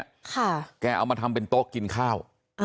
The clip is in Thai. เอามันทำไปเป็นโต๊ะกินข้าว